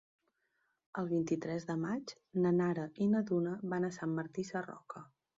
El vint-i-tres de maig na Lara i na Duna van a Sant Martí Sarroca.